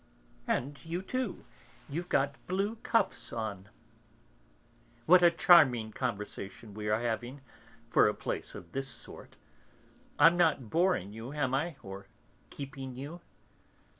"And you too, you've got blue cuffs on." "What a charming conversation we are having, for a place of this sort! I'm not boring you, am I; or keeping you?"